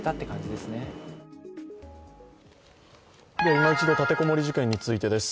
いま一度立てこもり事件についてです。